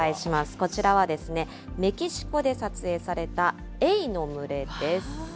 こちらは、メキシコで撮影されたエイの群れです。